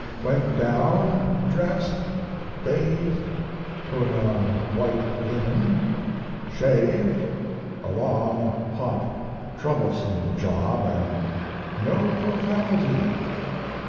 Went down, dressed, bathed, put on white linen, shaved a long, hot, troublesome job and no profanity.